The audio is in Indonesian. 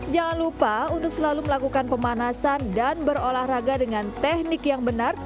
jangan lupa untuk selalu melakukan pemanasan dan berolahraga dengan teknik yang benar